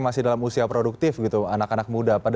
masih dalam usia produktif gitu anak anak muda